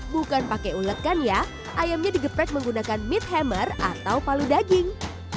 bukan pakai ulet kan ya ayamnya digeprek menggunakan meat hammer atau palu daging